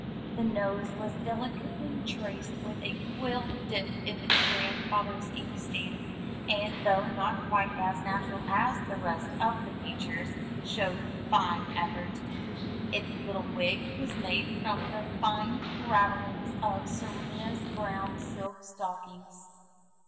The nose was delicately traced with a quill dipped in its grandfather's ink stand, and though not quite as natural as the rest of the features, showed fine effort. Its little wig was made from the fine ravel lings of Serena's brown silk stockings.